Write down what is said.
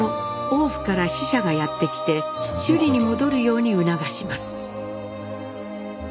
王府から使者がやって来て首里に戻るように促します。